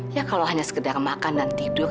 ya kalau hanya sekedar makan dan tidur